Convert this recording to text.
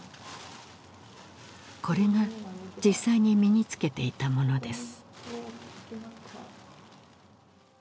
これが実際に身につけていたものです